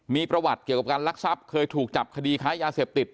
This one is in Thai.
มีประวัติเกี่ยวกับการลักทรัพย์เคยถูกจับคดีค้ายาเสพติด